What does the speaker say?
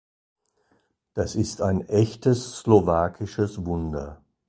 Das ist ein echtes slowakisches Wunder.